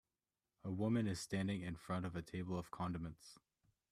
A woman is standing in front of a table of condiments.